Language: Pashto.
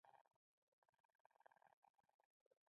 اوړه د پکوړو لپاره ضروري دي